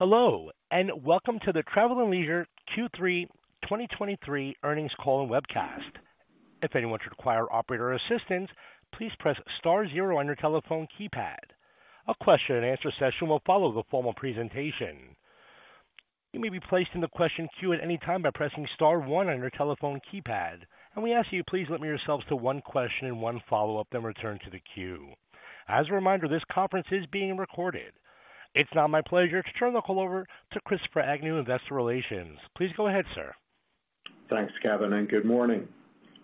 Hello, and welcome to the Travel + Leisure Q3 2023 earnings call and webcast. If anyone should require operator assistance, please press star zero on your telephone keypad. A question-and-answer session will follow the formal presentation. You may be placed in the question queue at any time by pressing star one on your telephone keypad, and we ask you please limit yourselves to one question and one follow-up, then return to the queue. As a reminder, this conference is being recorded. It's now my pleasure to turn the call over to Christopher Agnew, Investor Relations. Please go ahead, sir. Thanks, Kevin, and good morning.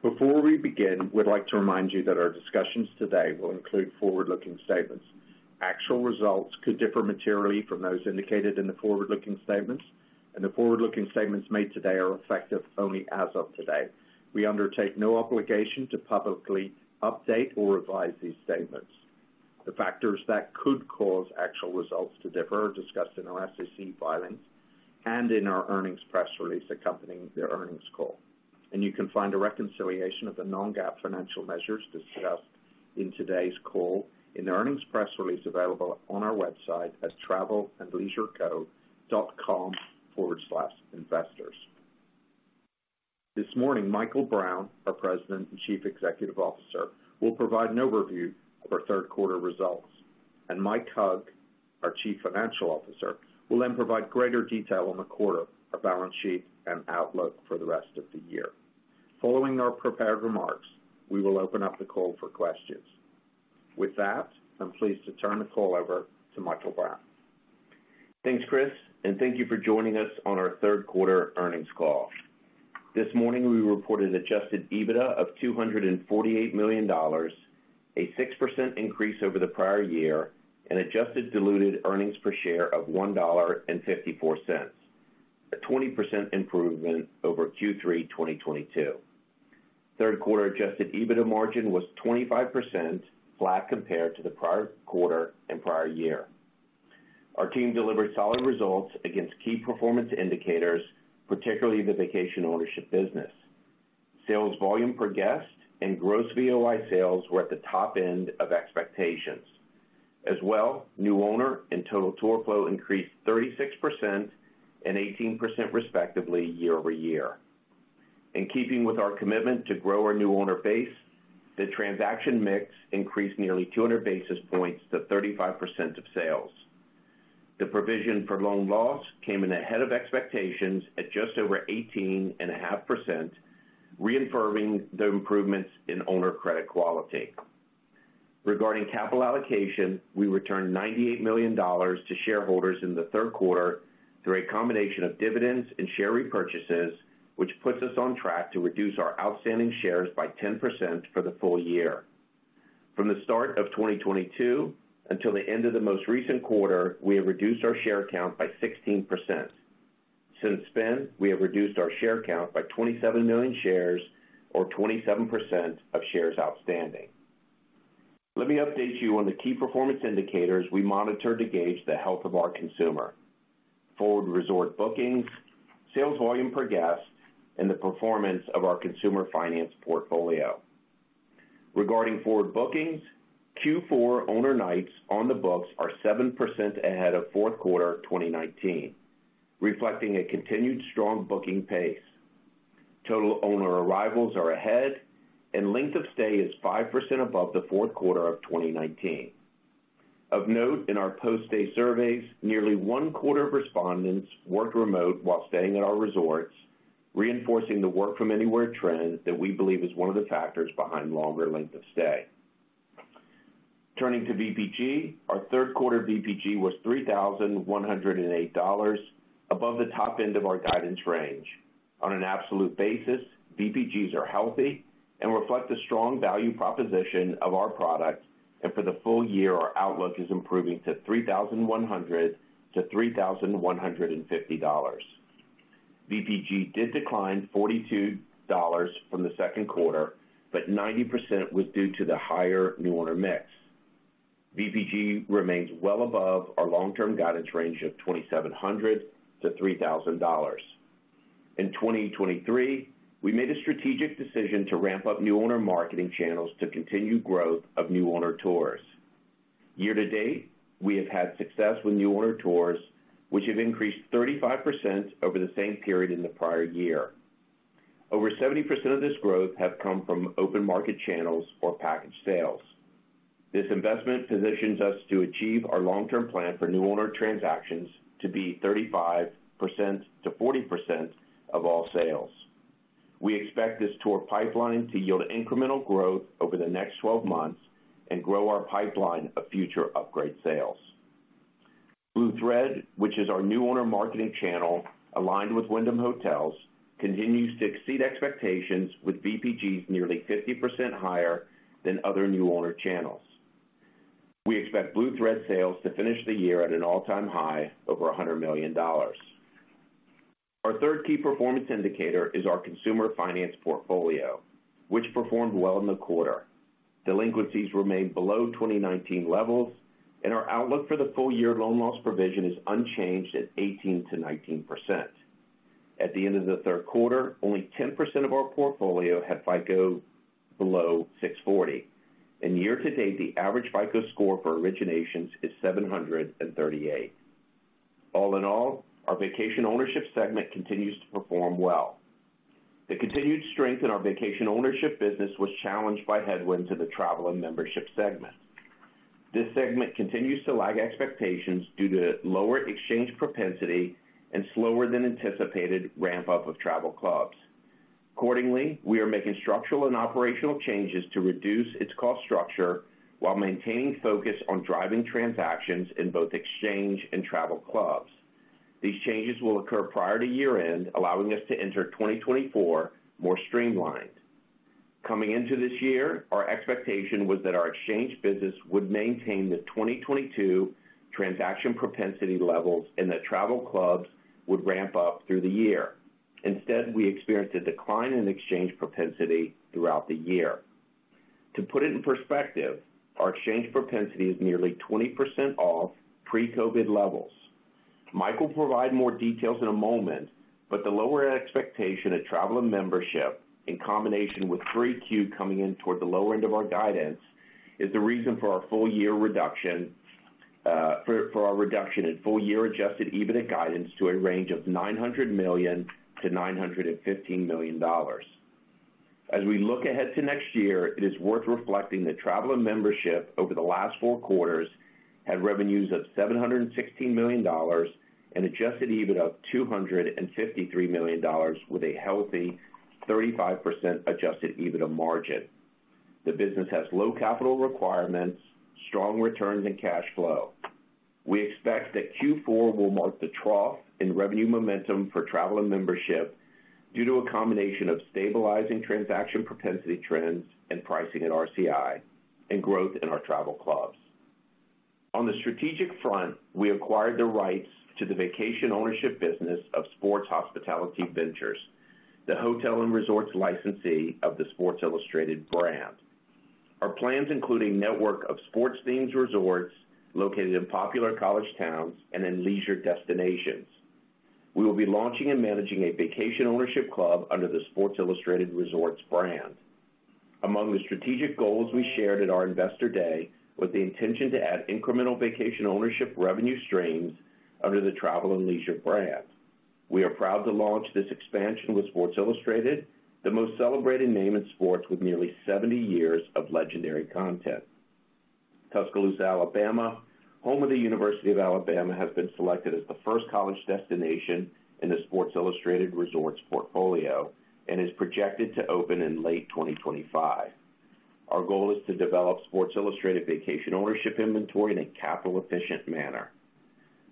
Before we begin, we'd like to remind you that our discussions today will include forward-looking statements. Actual results could differ materially from those indicated in the forward-looking statements, and the forward-looking statements made today are effective only as of today. We undertake no obligation to publicly update or revise these statements. The factors that could cause actual results to differ are discussed in our SEC filings and in our earnings press release accompanying the earnings call. You can find a reconciliation of the non-GAAP financial measures discussed in today's call in the earnings press release available on our website at travelandleisureco.com/investors. This morning, Michael Brown, our President and Chief Executive Officer, will provide an overview of our third quarter results, and Mike Hug, our Chief Financial Officer, will then provide greater detail on the quarter, our balance sheet, and outlook for the rest of the year. Following our prepared remarks, we will open up the call for questions. With that, I'm pleased to turn the call over to Michael Brown. Thanks, Chris, and thank you for joining us on our third quarter earnings call. This morning, we reported adjusted EBITDA of $248 million, a 6% increase over the prior year, and adjusted diluted earnings per share of $1.54, a 20% improvement over Q3 2022. Third quarter adjusted EBITDA margin was 25%, flat compared to the prior quarter and prior year. Our team delivered solid results against key performance indicators, particularly the vacation ownership business. Sales volume per guest and gross VOI sales were at the top end of expectations. As well, new owner and total tour flow increased 36% and 18% respectively year over year. In keeping with our commitment to grow our new owner base, the transaction mix increased nearly 200 basis points to 35% of sales. The provision for loan loss came in ahead of expectations at just over 18.5%, reaffirming the improvements in owner credit quality. Regarding capital allocation, we returned $98 million to shareholders in the third quarter through a combination of dividends and share repurchases, which puts us on track to reduce our outstanding shares by 10% for the full year. From the start of 2022 until the end of the most recent quarter, we have reduced our share count by 16%. Since then, we have reduced our share count by 27 million shares or 27% of shares outstanding. Let me update you on the key performance indicators we monitor to gauge the health of our consumer: forward resort bookings, sales volume per guest, and the performance of our consumer finance portfolio. Regarding forward bookings, Q4 owner nights on the books are 7% ahead of fourth quarter 2019, reflecting a continued strong booking pace. Total owner arrivals are ahead, and length of stay is 5% above the fourth quarter of 2019. Of note, in our post-stay surveys, nearly one quarter of respondents worked remote while staying at our resorts, reinforcing the work from anywhere trend that we believe is one of the factors behind longer length of stay. Turning to VPG, our third quarter VPG was $3,108, above the top end of our guidance range. On an absolute basis, VPGs are healthy and reflect the strong value proposition of our products, and for the full year, our outlook is improving to $3,100-$3,150. VPG did decline $42 from the second quarter, but 90% was due to the higher new owner mix. VPG remains well above our long-term guidance range of $2,700-$3,000. In 2023, we made a strategic decision to ramp up new owner marketing channels to continue growth of new owner tours. Year to date, we have had success with new owner tours, which have increased 35% over the same period in the prior year. Over 70% of this growth have come from open market channels or packaged sales. This investment positions us to achieve our long-term plan for new owner transactions to be 35%-40% of all sales. We expect this tour pipeline to yield incremental growth over the next twelve months and grow our pipeline of future upgrade sales. Blue Thread, which is our new owner marketing channel aligned with Wyndham Hotels, continues to exceed expectations with VPGs nearly 50% higher than other new owner channels. We expect Blue Thread sales to finish the year at an all-time high over $100 million. Our third key performance indicator is our consumer finance portfolio, which performed well in the quarter. Delinquencies remained below 2019 levels, and our outlook for the full year loan loss provision is unchanged at 18%-19%. At the end of the third quarter, only 10% of our portfolio had FICO below 640. And year-to-date, the average FICO score for originations is 738. All in all, our Vacation Ownership segment continues to perform well. The continued strength in our vacation ownership business was challenged by headwinds in the Travel and Membership segment. This segment continues to lag expectations due to lower exchange propensity and slower than anticipated ramp up of travel clubs. Accordingly, we are making structural and operational changes to reduce its cost structure while maintaining focus on driving transactions in both exchange and travel clubs. These changes will occur prior to year-end, allowing us to enter 2024 more streamlined. Coming into this year, our expectation was that our exchange business would maintain the 2022 transaction propensity levels and that travel clubs would ramp up through the year. Instead, we experienced a decline in exchange propensity throughout the year. To put it in perspective, our exchange propensity is nearly 20% off pre-COVID levels. Mike will provide more details in a moment, but the lower expectation of Travel and Membership, in combination with 3Q coming in toward the lower end of our guidance, is the reason for our full year reduction in full year Adjusted EBITDA guidance to a range of $900 million-$915 million. As we look ahead to next year, it is worth reflecting that Travel and Membership over the last four quarters had revenues of $716 million and Adjusted EBITDA of $253 million, with a healthy 35% Adjusted EBITDA margin. The business has low capital requirements, strong returns and cash flow. We expect that Q4 will mark the trough in revenue momentum for Travel and Membership due to a combination of stabilizing transaction propensity trends and pricing at RCI and growth in our travel clubs. On the strategic front, we acquired the rights to the vacation ownership business of Sports Hospitality Ventures, the hotel and resorts licensee of the Sports Illustrated brand. Our plans include a network of sports-themed resorts located in popular college towns and in leisure destinations. We will be launching and managing a vacation ownership club under the Sports Illustrated Resorts brand. Among the strategic goals we shared at our Investor Day was the intention to add incremental vacation ownership revenue streams under the Travel + Leisure brand. We are proud to launch this expansion with Sports Illustrated, the most celebrated name in sports, with nearly 70 years of legendary content. Tuscaloosa, Alabama, home of the University of Alabama, has been selected as the first college destination in the Sports Illustrated Resorts portfolio and is projected to open in late 2025. Our goal is to develop Sports Illustrated vacation ownership inventory in a capital efficient manner.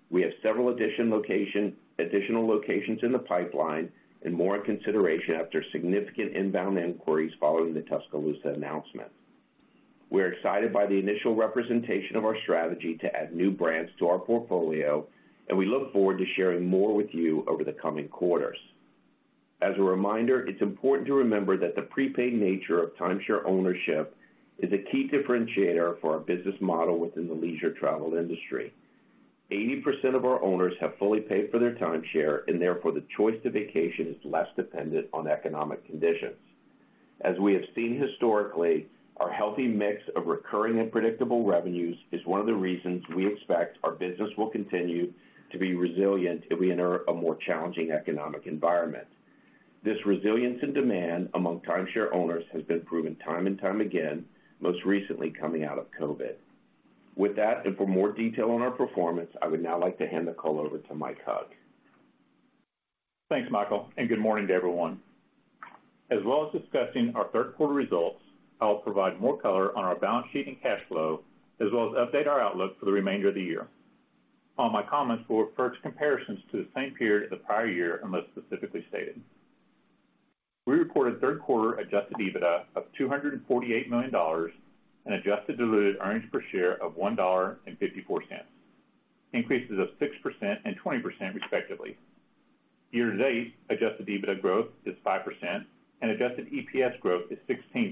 We have several additional locations in the pipeline and more in consideration after significant inbound inquiries following the Tuscaloosa announcement. We are excited by the initial representation of our strategy to add new brands to our portfolio, and we look forward to sharing more with you over the coming quarters. As a reminder, it's important to remember that the prepaid nature of timeshare ownership is a key differentiator for our business model within the leisure travel industry. 80% of our owners have fully paid for their timeshare, and therefore, the choice to vacation is less dependent on economic conditions. As we have seen historically, our healthy mix of recurring and predictable revenues is one of the reasons we expect our business will continue to be resilient if we enter a more challenging economic environment. This resilience and demand among timeshare owners has been proven time and time again, most recently coming out of COVID. With that, and for more detail on our performance, I would now like to hand the call over to Mike Hug. Thanks, Michael, and good morning to everyone. As well as discussing our third quarter results, I'll provide more color on our balance sheet and cash flow, as well as update our outlook for the remainder of the year. All my comments will refer to comparisons to the same period as the prior year, unless specifically stated. We reported third quarter Adjusted EBITDA of $248 million and adjusted diluted earnings per share of $1.54, increases of 6% and 20% respectively. Year-to-date Adjusted EBITDA growth is 5% and Adjusted EPS growth is 16%.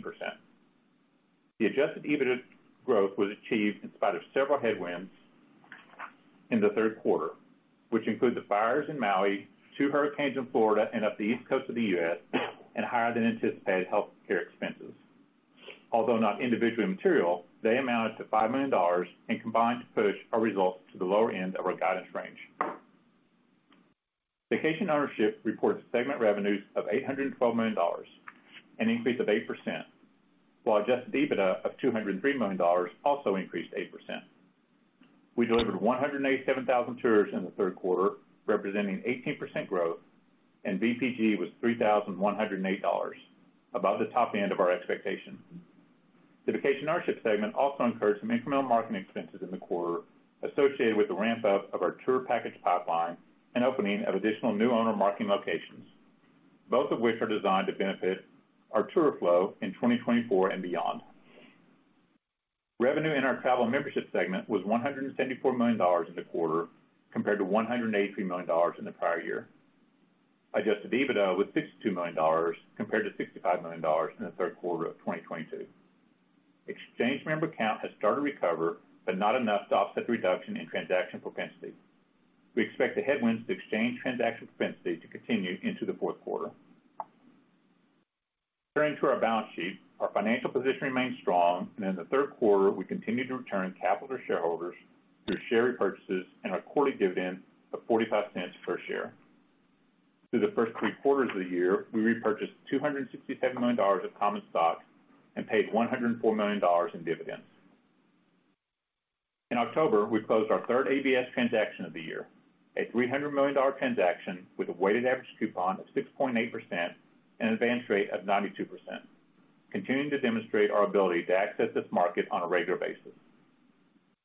The Adjusted EBITDA growth was achieved in spite of several headwinds in the third quarter, which include the fires in Maui, two hurricanes in Florida and up the East Coast of the U.S., and higher than anticipated healthcare expenses. Although not individually material, they amounted to $5 million and combined to push our results to the lower end of our guidance range. Vacation Ownership reports segment revenues of $812 million, an increase of 8%, while Adjusted EBITDA of $203 million also increased 8%. We delivered 187,000 tours in the third quarter, representing 18% growth, and VPG was $3,108, above the top end of our expectations. The Vacation Ownership segment also incurred some incremental marketing expenses in the quarter associated with the ramp up of our tour package pipeline and opening of additional new owner marketing locations, both of which are designed to benefit our tour flow in 2024 and beyond. Revenue in our travel membership segment was $174 million in the quarter, compared to $183 million in the prior year. Adjusted EBITDA was $62 million, compared to $65 million in the third quarter of 2022. Exchange member count has started to recover, but not enough to offset the reduction in transaction propensity. We expect the headwinds to exchange transaction propensity to continue into the fourth quarter. Turning to our balance sheet, our financial position remains strong, and in the third quarter, we continued to return capital to shareholders through share repurchases and a quarterly dividend of $0.45 per share. Through the first three quarters of the year, we repurchased $267 million of common stock and paid $104 million in dividends. In October, we closed our third ABS transaction of the year, a $300 million transaction with a weighted average coupon of 6.8% and an advance rate of 92%, continuing to demonstrate our ability to access this market on a regular basis.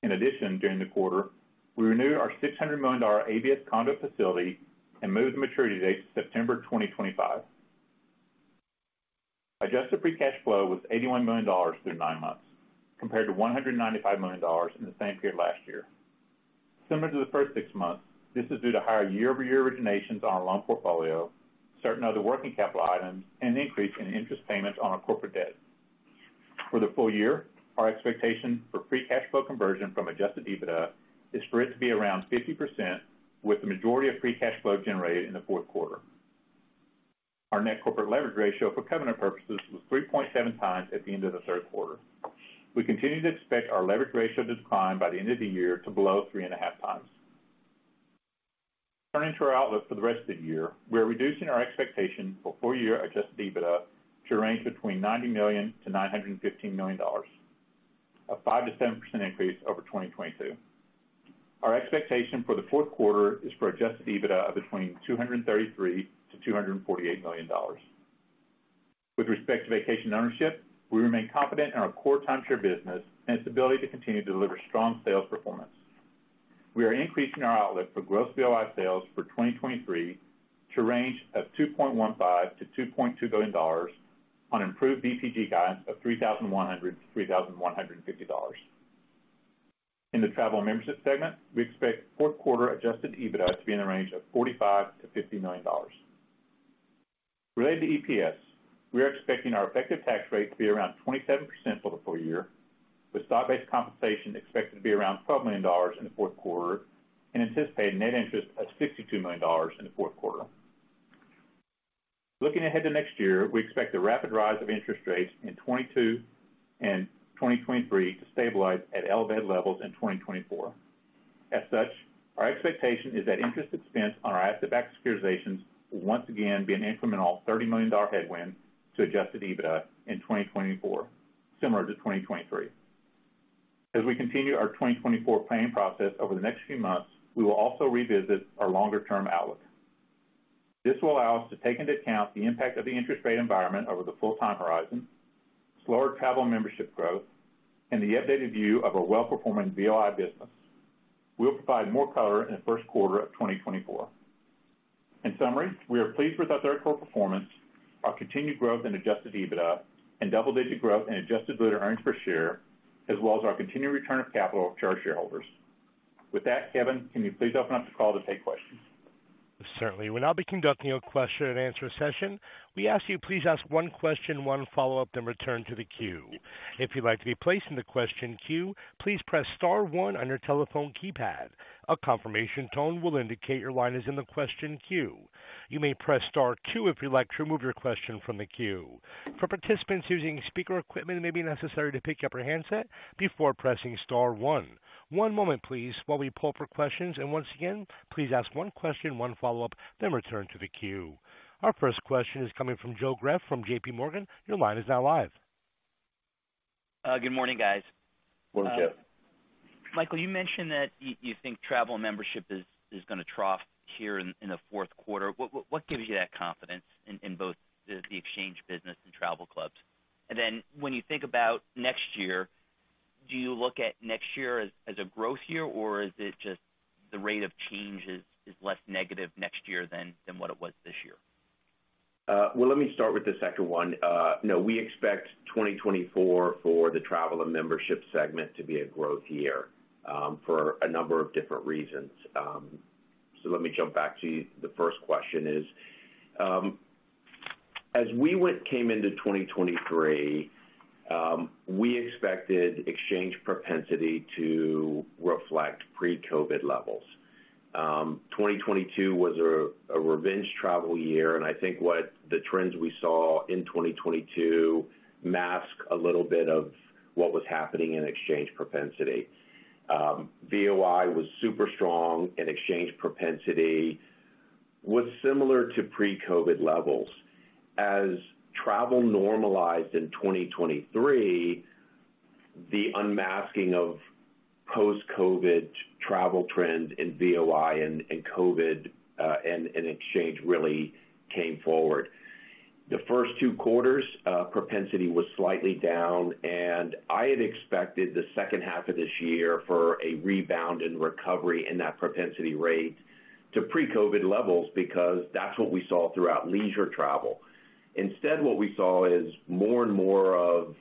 In addition, during the quarter, we renewed our $600 million ABS conduit facility and moved the maturity date to September 2025. Adjusted free cash flow was $81 million through 9 months, compared to $195 million in the same period last year. Similar to the first 6 months, this is due to higher year-over-year originations on our loan portfolio, certain other working capital items, and an increase in interest payments on our corporate debt. For the full year, our expectation for free cash flow conversion from Adjusted EBITDA is for it to be around 50%, with the majority of free cash flow generated in the fourth quarter. Our net corporate leverage ratio for covenant purposes was 3.7 times at the end of the third quarter. We continue to expect our leverage ratio to decline by the end of the year to below 3.5 times. Turning to our outlook for the rest of the year, we are reducing our expectation for full year Adjusted EBITDA to range between $90 million-$915 million, a 5%-7% increase over 2022. Our expectation for the fourth quarter is for Adjusted EBITDA of between $233 million-$248 million. With respect to vacation ownership, we remain confident in our core timeshare business and its ability to continue to deliver strong sales performance. We are increasing our outlook for gross VOI sales for 2023 to range of $2.15 billion-$2.2 billion on improved VPG guidance of $3,100-$3,150. In the travel membership segment, we expect fourth quarter Adjusted EBITDA to be in the range of $45 million-$50 million. Related to EPS, we are expecting our effective tax rate to be around 27% for the full year, with stock-based compensation expected to be around $12 million in the fourth quarter and anticipate net interest of $52 million in the fourth quarter. Looking ahead to next year, we expect the rapid rise of interest rates in 2022 and 2023 to stabilize at elevated levels in 2024. As such, our expectation is that interest expense on our asset-backed securitizations will once again be an incremental $30 million headwind to Adjusted EBITDA in 2024, similar to 2023. As we continue our 2024 planning process over the next few months, we will also revisit our longer-term outlook. This will allow us to take into account the impact of the interest rate environment over the full time horizon, slower travel membership growth, and the updated view of our well-performing VOI business. We'll provide more color in the first quarter of 2024. In summary, we are pleased with our third quarter performance, our continued growth in Adjusted EBITDA and double-digit growth in adjusted diluted earnings per share, as well as our continued return of capital to our shareholders. With that, Kevin, can you please open up the call to take questions? Certainly. We'll now be conducting a question-and-answer session. We ask you, please ask one question, one follow-up, then return to the queue. If you'd like to be placed in the question queue, please press star one on your telephone keypad. A confirmation tone will indicate your line is in the question queue. You may press star two if you'd like to remove your question from the queue. For participants using speaker equipment, it may be necessary to pick up your handset before pressing star one. One moment, please, while we pull for questions, and once again, please ask one question, one follow-up, then return to the queue. Our first question is coming from Joe Greff from JP Morgan. Your line is now live. Good morning, guys. Morning, Joe. Michael, you mentioned that you think travel membership is gonna trough here in the fourth quarter. What gives you that confidence in both the exchange business and travel clubs? And then when you think about next year, do you look at next year as a growth year, or is it just the rate of change is less negative next year than what it was this year? Well, let me start with the second one. No, we expect 2024 for the Travel and Membership segment to be a growth year, for a number of different reasons. So let me jump back to the first question is, as we came into 2023, we expected exchange propensity to reflect pre-COVID levels. 2022 was a revenge travel year, and I think what the trends we saw in 2022 mask a little bit of what was happening in exchange propensity. VOI was super strong, and exchange propensity was similar to pre-COVID levels. As travel normalized in 2023, the unmasking of post-COVID travel trend in VOI and COVID and exchange really came forward. The first two quarters, propensity was slightly down, and I had expected the second half of this year for a rebound and recovery in that propensity rate.... to pre-COVID levels, because that's what we saw throughout leisure travel. Instead, what we saw is more and more of,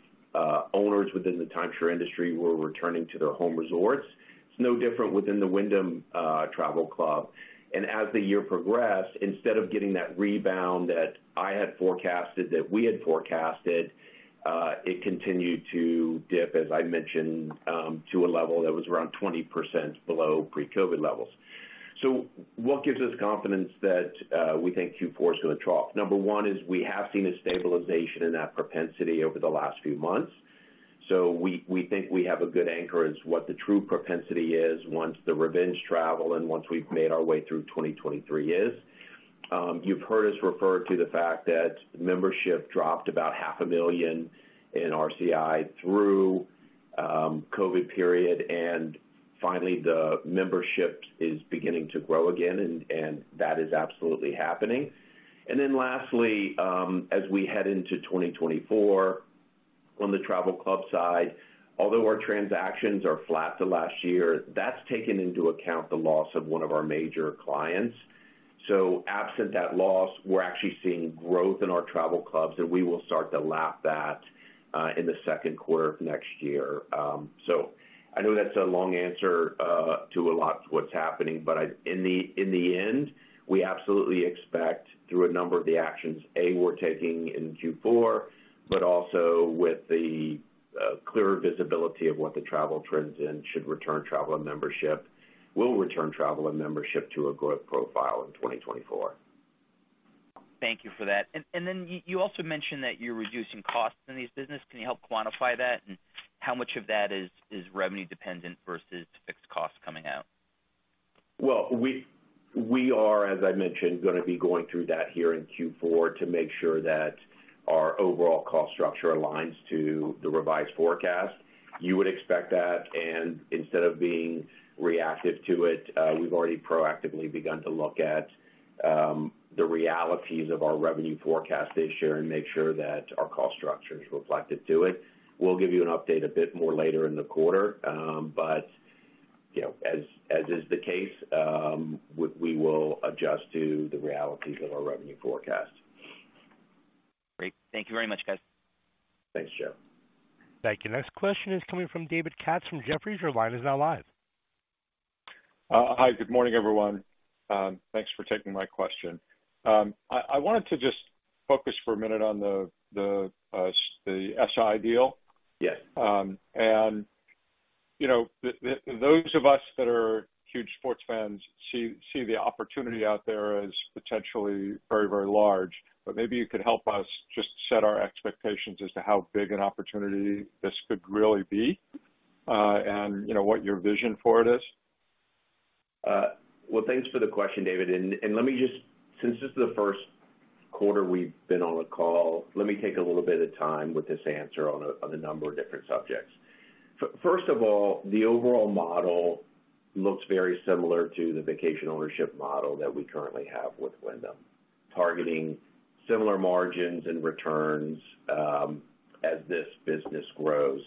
owners within the timeshare industry were returning to their home resorts. It's no different within the Wyndham Travel Club. And as the year progressed, instead of getting that rebound that I had forecasted, that we had forecasted, it continued to dip, as I mentioned, to a level that was around 20% below pre-COVID levels. So what gives us confidence that, we think Q4 is going to trough? Number one, is we have seen a stabilization in that propensity over the last few months, so we, we think we have a good anchor as what the true propensity is once the revenge travel and once we've made our way through 2023 is. You've heard us refer to the fact that membership dropped about half a million in RCI through COVID period, and finally, the membership is beginning to grow again, and that is absolutely happening. Then lastly, as we head into 2024, on the travel club side, although our transactions are flat to last year, that's taken into account the loss of one of our major clients. So absent that loss, we're actually seeing growth in our travel clubs, and we will start to lap that in the second quarter of next year. So I know that's a long answer to a lot of what's happening, but in the end, we absolutely expect through a number of the actions we're taking in Q4, but also with the clearer visibility of what the travel trends in should return Travel and Membership, will return Travel and Membership to a good profile in 2024. Thank you for that. And then you also mentioned that you're reducing costs in this business. Can you help quantify that? And how much of that is revenue dependent versus fixed costs coming out? Well, we are, as I mentioned, gonna be going through that here in Q4 to make sure that our overall cost structure aligns to the revised forecast. You would expect that, and instead of being reactive to it, we've already proactively begun to look at the realities of our revenue forecast this year and make sure that our cost structure is reflective to it. We'll give you an update a bit more later in the quarter, but, you know, as is the case, we will adjust to the realities of our revenue forecast. Great. Thank you very much, guys. Thanks, Joe. Thank you. Next question is coming from David Katz from Jefferies. Your line is now live. Hi, good morning, everyone. Thanks for taking my question. I wanted to just focus for a minute on the SI deal. Yes. You know, those of us that are huge sports fans see the opportunity out there as potentially very, very large. But maybe you could help us just set our expectations as to how big an opportunity this could really be, and, you know, what your vision for it is. Well, thanks for the question, David. And let me just, since this is the first quarter we've been on the call, let me take a little bit of time with this answer on a number of different subjects. First of all, the overall model looks very similar to the vacation ownership model that we currently have with Wyndham, targeting similar margins and returns, as this business grows.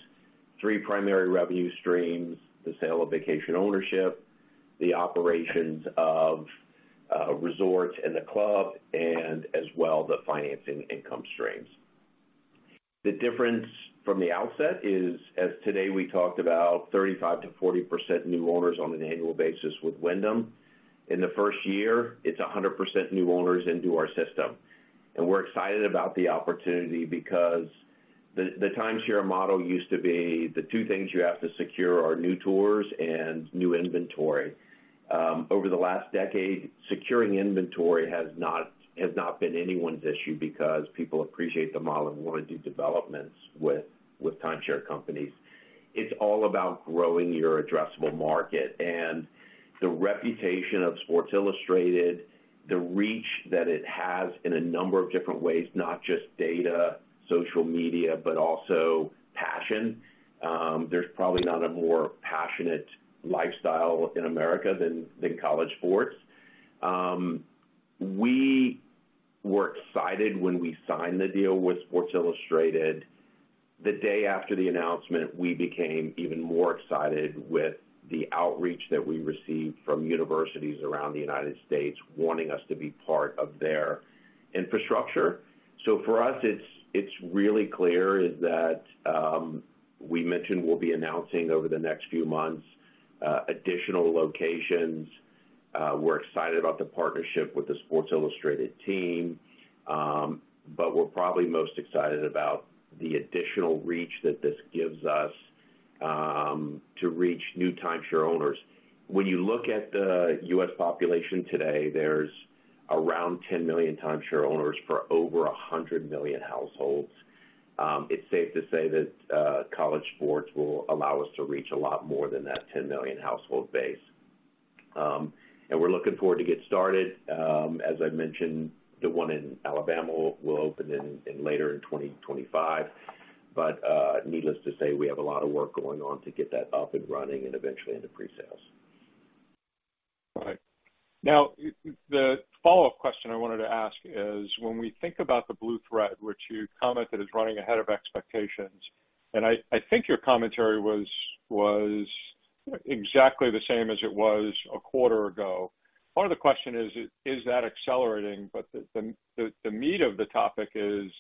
Three primary revenue streams: the sale of vacation ownership, the operations of resorts and the club, and as well, the financing income streams. The difference from the outset is, as today we talked about 35%-40% new owners on an annual basis with Wyndham. In the first year, it's 100% new owners into our system. We're excited about the opportunity because the timeshare model used to be the two things you have to secure are new tours and new inventory. Over the last decade, securing inventory has not been anyone's issue because people appreciate the model and want to do developments with timeshare companies. It's all about growing your addressable market and the reputation of Sports Illustrated, the reach that it has in a number of different ways, not just data, social media, but also passion. There's probably not a more passionate lifestyle in America than college sports. We were excited when we signed the deal with Sports Illustrated. The day after the announcement, we became even more excited with the outreach that we received from universities around the United States wanting us to be part of their infrastructure. So for us, it's really clear that we mentioned we'll be announcing over the next few months additional locations. We're excited about the partnership with the Sports Illustrated team, but we're probably most excited about the additional reach that this gives us to reach new timeshare owners. When you look at the U.S. population today, there's around 10 million timeshare owners for over 100 million households. It's safe to say that college sports will allow us to reach a lot more than that 10 million household base. And we're looking forward to get started. As I mentioned, the one in Alabama will open in later in 2025. But needless to say, we have a lot of work going on to get that up and running and eventually into pre-sales. Right. Now, the follow-up question I wanted to ask is, when we think about the Blue Thread, which you commented is running ahead of expectations... And I think your commentary was exactly the same as it was a quarter ago. Part of the question is, is that accelerating? But the meat of the topic is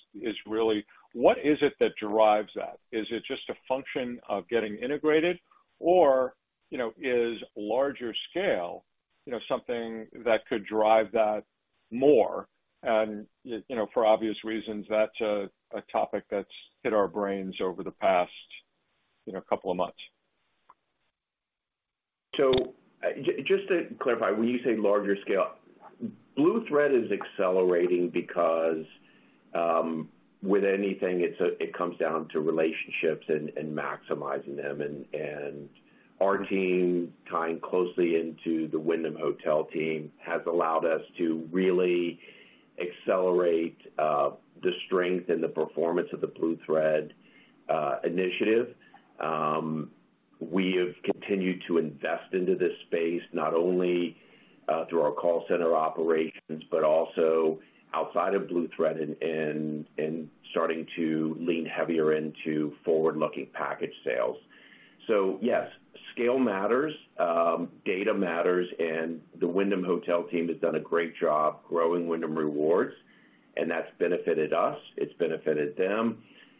really what is it that drives that? Is it just a function of getting integrated or, you know, is larger scale, you know, something that could drive that more? And, you know, for obvious reasons, that's a topic that's hit our brains over the past, you know, couple of months. So just to clarify, when you say larger scale, Blue Thread is accelerating because, with anything, it's, it comes down to relationships and, and maximizing them. And, and our team, tying closely into the Wyndham Hotels team, has allowed us to really accelerate, the strength and the performance of the Blue Thread initiative. We have continued to invest into this space, not only through our call center operations, but also outside of Blue Thread and, and, and starting to lean heavier into forward-looking package sales. So yes, scale matters, data matters, and the Wyndham Hotels team has done a great job growing Wyndham Rewards, and that's benefited us, it's benefited them.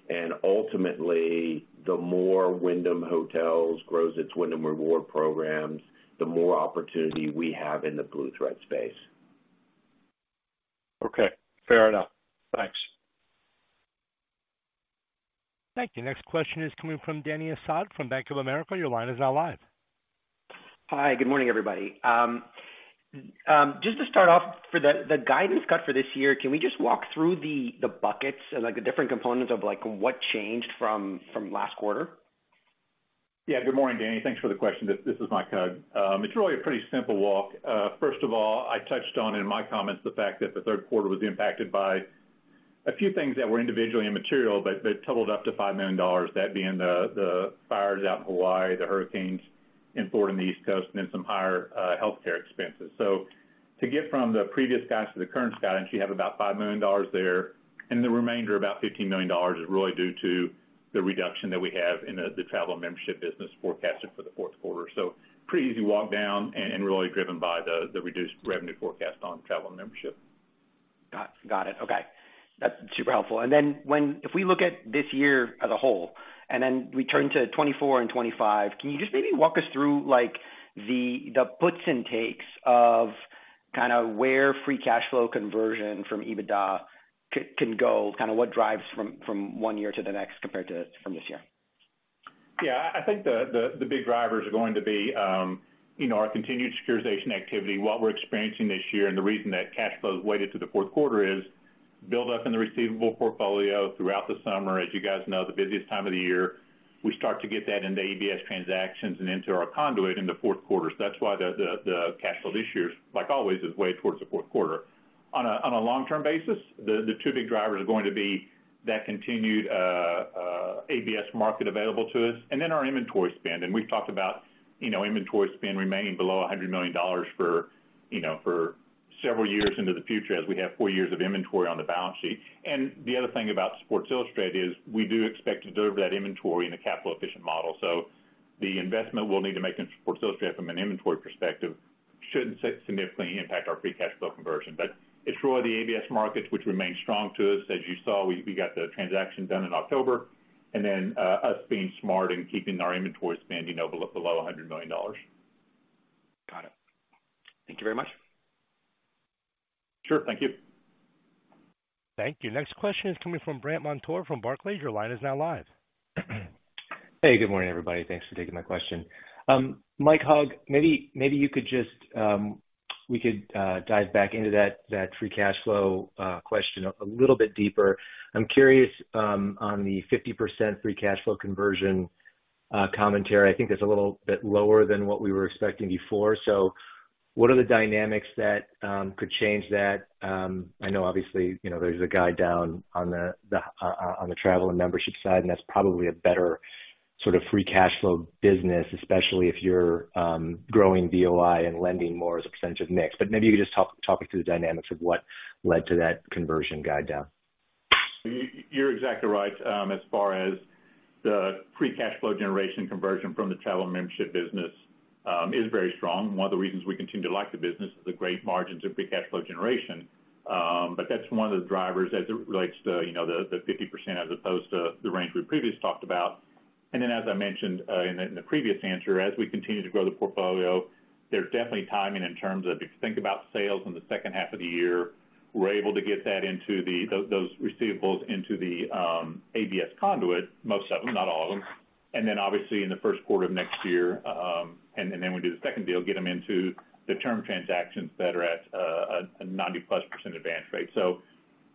And ultimately, the more Wyndham Hotels grows its Wyndham Rewards programs, the more opportunity we have in the Blue Thread space. Okay, fair enough. Thanks. Thank you. Next question is coming from Dany Asad from Bank of America. Your line is now live. Hi, good morning, everybody. Just to start off, for the guidance cut for this year, can we just walk through the buckets, like, the different components of, like, what changed from last quarter? Yeah. Good morning, Danny. Thanks for the question. This, this is Mike Hug. It's really a pretty simple walk. First of all, I touched on in my comments the fact that the third quarter was impacted by a few things that were individually immaterial, but they totaled up to $5 million, that being the fires out in Hawaii, the hurricanes in Florida and the East Coast, and then some higher healthcare expenses. So to get from the previous guidance to the current guidance, you have about $5 million there, and the remainder, about $15 million, is really due to the reduction that we have in the Travel and Membership business forecasted for the fourth quarter. So pretty easy walk down and really driven by the reduced revenue forecast on Travel and Membership. Got it. Okay. That's super helpful. And then when, if we look at this year as a whole, and then we turn to 2024 and 2025, can you just maybe walk us through, like, the puts and takes of kinda where free cash flow conversion from EBITDA can go? Kinda what drives from one year to the next compared to from this year? Yeah, I think the big drivers are going to be, you know, our continued securitization activity. What we're experiencing this year, and the reason that cash flow is weighted to the fourth quarter, is build up in the receivable portfolio throughout the summer. As you guys know, the busiest time of the year, we start to get that into ABS transactions and into our conduit in the fourth quarter. So that's why the cash flow this year, like always, is way towards the fourth quarter. On a long-term basis, the two big drivers are going to be that continued ABS market available to us and then our inventory spend. We've talked about, you know, inventory spend remaining below $100 million for, you know, for several years into the future, as we have four years of inventory on the balance sheet. The other thing about Sports Illustrated is we do expect to deliver that inventory in a capital-efficient model. So the investment we'll need to make in Sports Illustrated from an inventory perspective shouldn't significantly impact our free cash flow conversion. But it's really the ABS markets, which remain strong to us. As you saw, we got the transaction done in October, and then us being smart and keeping our inventory spend, you know, below $100 million. Got it. Thank you very much. Sure. Thank you. Thank you. Next question is coming from Brandt Montour from Barclays. Your line is now live. Hey, good morning, everybody. Thanks for taking my question. Mike Hug, maybe, maybe you could just, we could, dive back into that, that free cash flow, question a little bit deeper. I'm curious, on the 50% free cash flow conversion, commentary. I think that's a little bit lower than what we were expecting before. So what are the dynamics that, could change that? I know obviously, you know, there's a guide down on the, the, on the travel and membership side, and that's probably a better sort of free cash flow business, especially if you're, growing VOI and lending more as a percentage of mix. But maybe you could just talk, talk me through the dynamics of what led to that conversion guide down. You're exactly right, as far as the free cash flow generation conversion from the travel membership business is very strong. One of the reasons we continue to like the business is the great margins of free cash flow generation. But that's one of the drivers as it relates to, you know, the 50% as opposed to the range we previously talked about. And then, as I mentioned, in the previous answer, as we continue to grow the portfolio, there's definitely timing in terms of, if you think about sales in the second half of the year, we're able to get that into those receivables into the ABS conduit, most of them, not all of them. And then, obviously, in the first quarter of next year, and then we do the second deal, get them into the term transactions that are at a 90%+ advance rate. So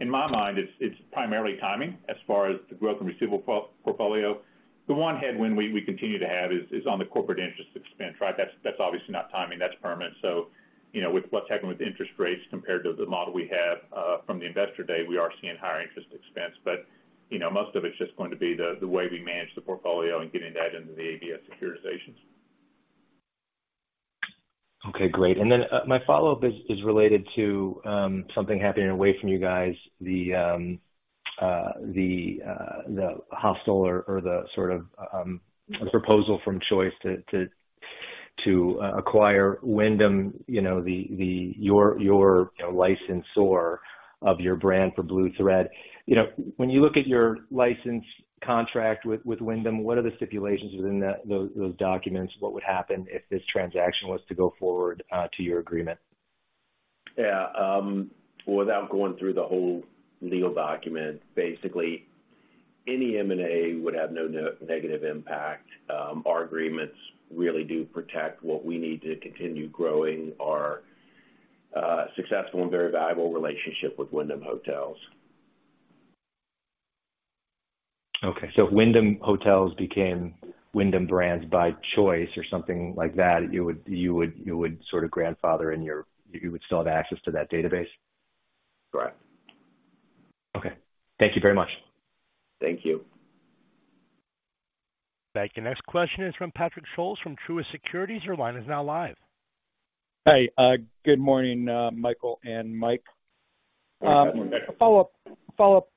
in my mind, it's primarily timing as far as the growth in receivable portfolio. The one headwind we continue to have is on the corporate interest expense, right? That's obviously not timing, that's permanent. So, you know, with what's happened with interest rates compared to the model we had from the Investor Day, we are seeing higher interest expense. But, you know, most of it's just going to be the way we manage the portfolio and getting that into the ABS securitizations.... Okay, great. And then, my follow-up is related to something happening away from you guys, the hostile or sort of a proposal from Choice to acquire Wyndham, you know, your licensor of your brand for Blue Thread. You know, when you look at your license contract with Wyndham, what are the stipulations within those documents? What would happen if this transaction was to go forward to your agreement? Without going through the whole legal document, basically, any M&A would have no negative impact. Our agreements really do protect what we need to continue growing our successful and very valuable relationship with Wyndham Hotels. Okay. So if Wyndham Hotels became Wyndham Brands by Choice or something like that, you would sort of grandfather in your-- you would still have access to that database? Correct. Okay. Thank you very much. Thank you. Thank you. Next question is from Patrick Scholes, from Truist Securities. Your line is now live. Hey, good morning, Michael and Mike. Good morning, Patrick. A follow-up, follow-up question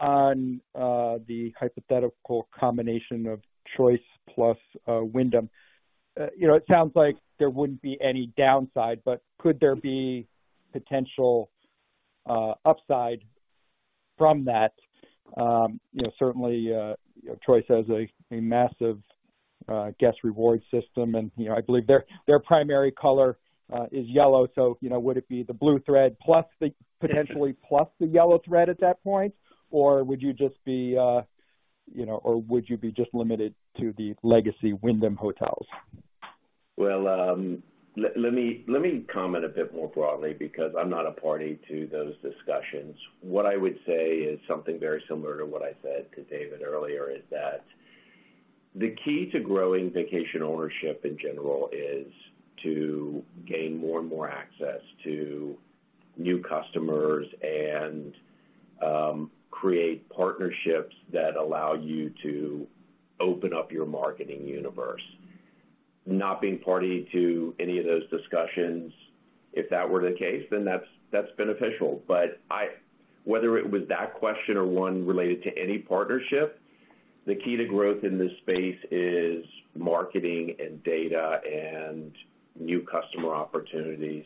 on the hypothetical combination of Choice plus Wyndham. You know, it sounds like there wouldn't be any downside, but could there be potential upside from that? You know, certainly Choice has a massive guest reward system, and, you know, I believe their primary color is yellow. So, you know, would it be the Blue Thread, plus the potentially, plus the Yellow Thread at that point? Or would you just be, you know, or would you be just limited to the legacy Wyndham Hotels? Well, let me comment a bit more broadly because I'm not a party to those discussions. What I would say is something very similar to what I said to David earlier, is that the key to growing vacation ownership in general is to gain more and more access to new customers and create partnerships that allow you to open up your marketing universe. Not being party to any of those discussions, if that were the case, then that's beneficial. But I, whether it was that question or one related to any partnership, the key to growth in this space is marketing and data and new customer opportunities.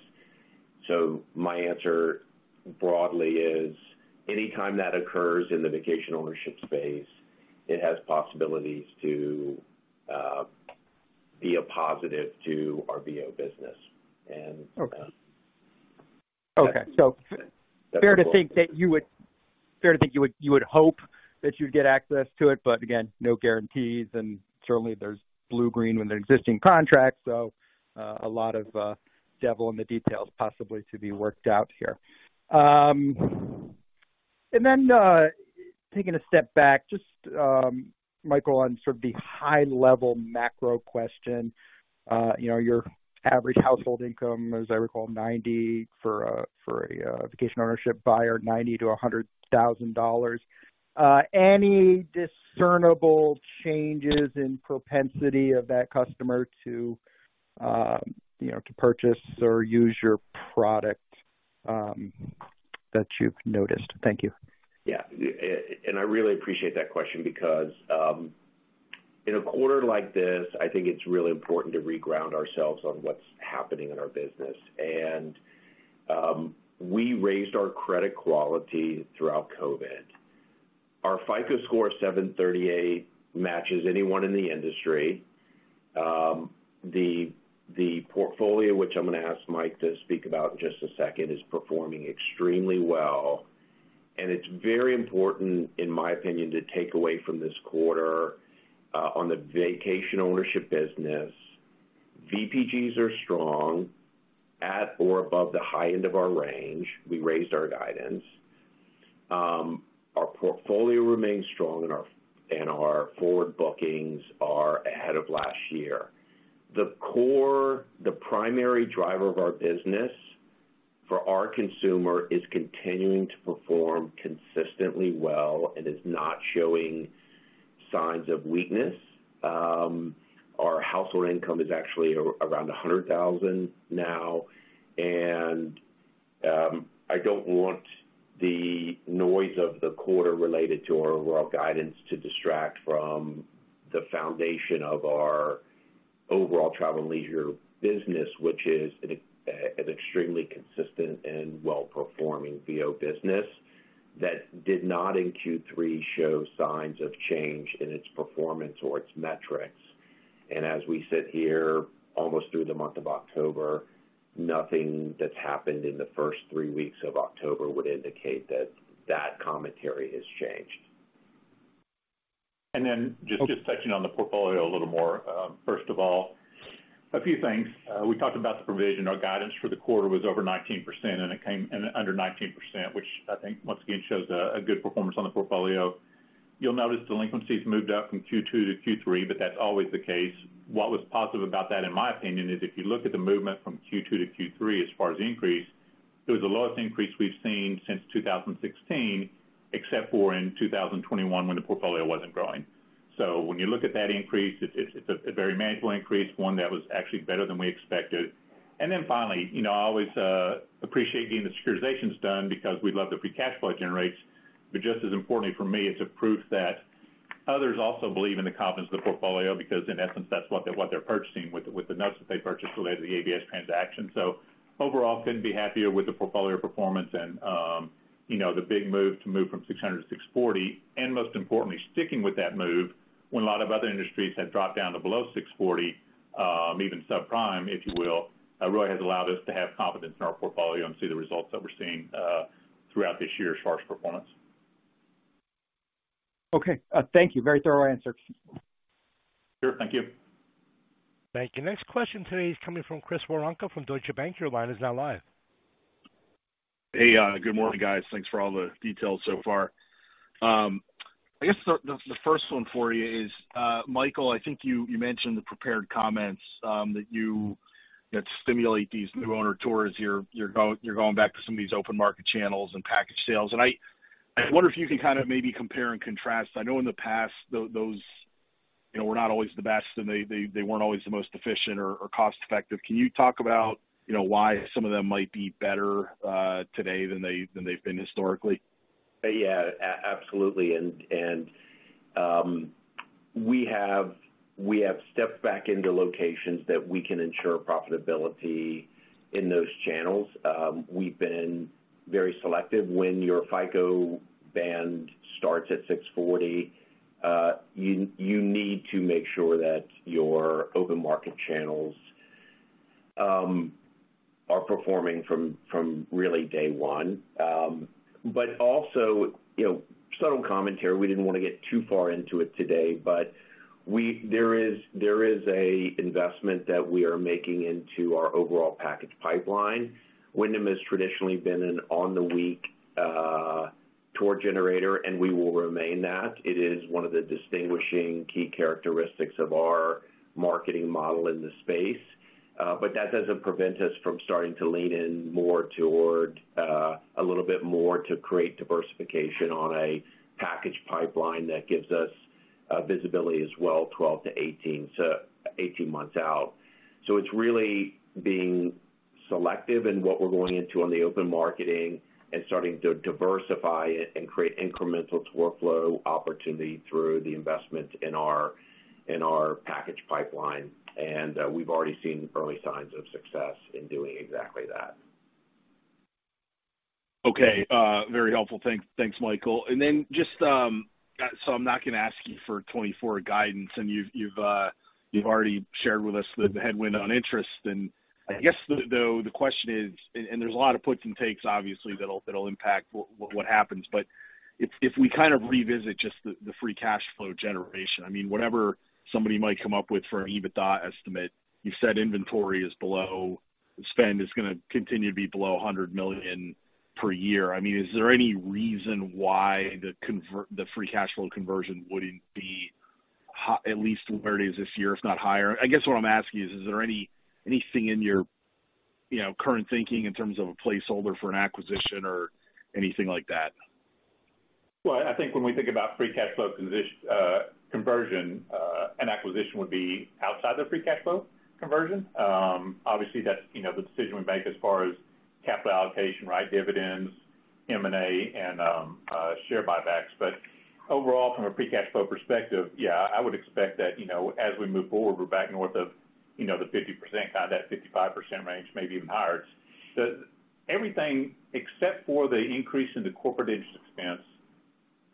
So my answer broadly is, anytime that occurs in the vacation ownership space, it has possibilities to be a positive to our VO business and Okay. So fair to think that you would hope that you'd get access to it, but again, no guarantees, and certainly there's Bluegreen with an existing contract, so a lot of devil in the details possibly to be worked out here. And then, taking a step back, just Michael, on sort of the high level macro question, you know, your average household income, as I recall, $90,000-$100,000 for a vacation ownership buyer. Any discernible changes in propensity of that customer to, you know, to purchase or use your product, that you've noticed? Thank you. Yeah, and I really appreciate that question because, in a quarter like this, I think it's really important to reground ourselves on what's happening in our business. And, we raised our credit quality throughout COVID. Our FICO score, 738, matches anyone in the industry. The portfolio, which I'm gonna ask Mike to speak about in just a second, is performing extremely well, and it's very important, in my opinion, to take away from this quarter, on the vacation ownership business, VPGs are strong, at or above the high end of our range. We raised our guidance. Our portfolio remains strong, and our forward bookings are ahead of last year. The core, the primary driver of our business for our consumer, is continuing to perform consistently well and is not showing signs of weakness. Our household income is actually around $100,000 now, and I don't want the noise of the quarter related to our overall guidance to distract from the foundation of our overall travel and leisure business, which is an extremely consistent and well-performing VO business that did not in Q3 show signs of change in its performance or its metrics. As we sit here almost through the month of October, nothing that's happened in the first three weeks of October would indicate that that commentary has changed. And then just touching on the portfolio a little more. First of all, a few things. We talked about the provision. Our guidance for the quarter was over 19%, and it came in under 19%, which I think once again shows a good performance on the portfolio. You'll notice delinquencies moved up from Q2 to Q3, but that's always the case. What was positive about that, in my opinion, is if you look at the movement from Q2 to Q3, as far as the increase-... It was the lowest increase we've seen since 2016, except for in 2021, when the portfolio wasn't growing. So when you look at that increase, it's a very manageable increase, one that was actually better than we expected. And then finally, you know, I always appreciate getting the securitizations done because we love the free cash flow it generates. But just as importantly for me, it's a proof that others also believe in the confidence of the portfolio, because in essence, that's what they're purchasing with the notes that they purchased related to the ABS transaction. So overall, couldn't be happier with the portfolio performance and, you know, the big move to move from 600 to 640, and most importantly, sticking with that move when a lot of other industries have dropped down to below 640, even subprime, if you will. It really has allowed us to have confidence in our portfolio and see the results that we're seeing, throughout this year's charge performance. Okay, thank you. Very thorough answers. Sure. Thank you. Thank you. Next question today is coming from Chris Woronka from Deutsche Bank. Your line is now live. Hey, good morning, guys. Thanks for all the details so far. I guess the first one for you is, Michael, I think you mentioned the prepared comments that stimulate these new owner tours. You're going back to some of these open market channels and package sales, and I wonder if you can kind of maybe compare and contrast. I know in the past, those, you know, were not always the best, and they weren't always the most efficient or cost-effective. Can you talk about, you know, why some of them might be better today than they've been historically? Yeah, absolutely. And we have stepped back into locations that we can ensure profitability in those channels. We've been very selective. When your FICO band starts at 640, you need to make sure that your open market channels are performing from really day one. But also, you know, subtle commentary, we didn't want to get too far into it today, but we— there is an investment that we are making into our overall package pipeline. Wyndham has traditionally been an on the week tour generator, and we will remain that. It is one of the distinguishing key characteristics of our marketing model in the space. But that doesn't prevent us from starting to lean in more toward a little bit more to create diversification on a package pipeline that gives us visibility as well, 12-18, so 18 months out. So it's really being selective in what we're going into on the open marketing and starting to diversify it and create incremental workflow opportunity through the investment in our package pipeline. And we've already seen early signs of success in doing exactly that. Okay, very helpful. Thanks, Michael. And then just, so I'm not gonna ask you for 2024 guidance and you've already shared with us the headwind on interest. And I guess, though, the question is, and there's a lot of puts and takes, obviously, that'll impact what happens. But if we kind of revisit just the free cash flow generation, I mean, whatever somebody might come up with for an EBITDA estimate, you said inventory is below, spend is gonna continue to be below $100 million per year. I mean, is there any reason why the free cash flow conversion wouldn't be at least where it is this year, if not higher? I guess what I'm asking you is, is there anything in your, you know, current thinking in terms of a placeholder for an acquisition or anything like that? Well, I think when we think about free cash flow conversion, and acquisition would be outside the free cash flow conversion. Obviously, that's, you know, the decision we make as far as capital allocation, right? Dividends, M&A, and share buybacks. But overall, from a free cash flow perspective, yeah, I would expect that, you know, as we move forward, we're back north of, you know, the 50%, kind of that 55% range, maybe even higher. Everything, except for the increase in the corporate interest expense,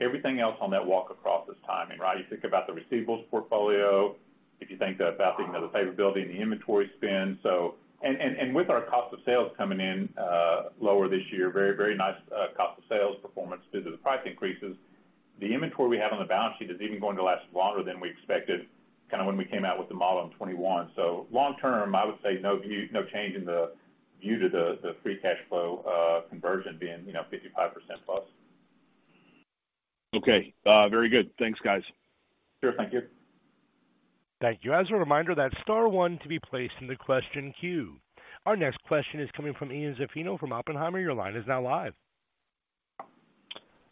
everything else on that walk across is timing, right? You think about the receivables portfolio, if you think about the, you know, the payables and the inventory spend. So, and, and, and with our cost of sales coming in lower this year, very, very nice cost of sales performance due to the price increases. The inventory we have on the balance sheet is even going to last longer than we expected, kind of when we came out with the model in 2021. So long term, I would say no view, no change in the view to the free cash flow conversion being, you know, 55%+. Okay, very good. Thanks, guys. Sure. Thank you. Thank you. As a reminder, that's star one to be placed in the question queue. Our next question is coming from Ian Zaffino from Oppenheimer. Your line is now live.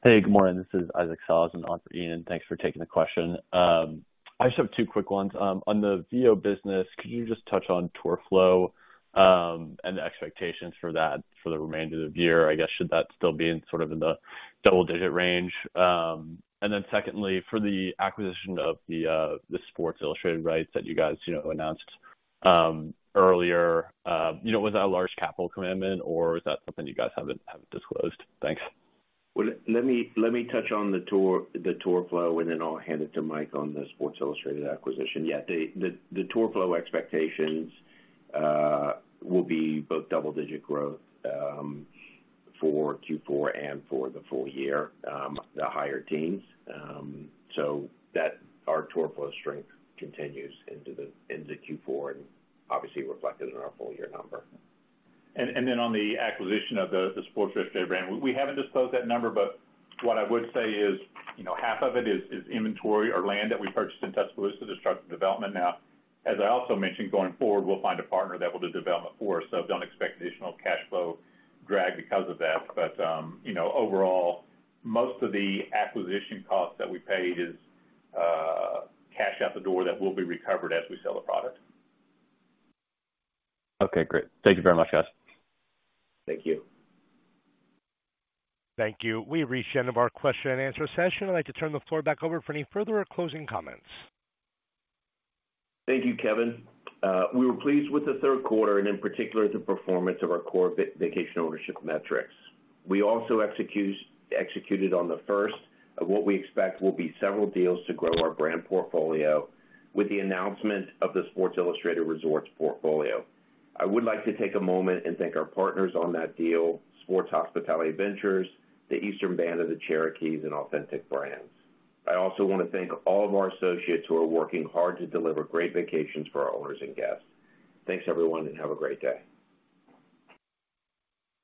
Hey, good morning. This is Isaac Sellhausen in on for Ian. Thanks for taking the question. I just have two quick ones. On the VO business, could you just touch on tour flow, and the expectations for that for the remainder of the year? I guess, should that still be in sort of the double-digit range? And then secondly, for the acquisition of the the Sports Illustrated rights that you guys, you know, announced earlier, you know, was that a large capital commitment, or is that something you guys haven't disclosed? Thanks. Well, let me touch on the tour flow, and then I'll hand it to Mike on the Sports Illustrated acquisition. Yeah, the tour flow expectations will be both double-digit growth for Q4 and for the full year, the higher teens. So that our tour flow strength continues into Q4 and obviously reflected in our full year number. And then on the acquisition of the Sports Illustrated brand, we haven't disclosed that number, but what I would say is, you know, half of it is inventory or land that we purchased in Tuscaloosa to start the development. Now, as I also mentioned, going forward, we'll find a partner that will do development for us, so don't expect additional cash flow drag because of that. But, you know, overall, most of the acquisition costs that we pay is cash out the door that will be recovered as we sell the product. Okay, great. Thank you very much, guys. Thank you. Thank you. We've reached the end of our question-and-answer session. I'd like to turn the floor back over for any further closing comments. Thank you, Kevin. We were pleased with the third quarter and in particular, the performance of our core vacation ownership metrics. We also executed on the first of what we expect will be several deals to grow our brand portfolio with the announcement of the Sports Illustrated Resorts portfolio. I would like to take a moment and thank our partners on that deal, Sports Hospitality Ventures, the Eastern Band of the Cherokees, and Authentic Brands. I also want to thank all of our associates who are working hard to deliver great vacations for our owners and guests. Thanks, everyone, and have a great day.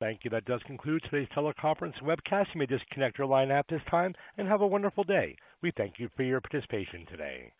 Thank you. That does conclude today's teleconference and webcast. You may disconnect your line at this time and have a wonderful day. We thank you for your participation today.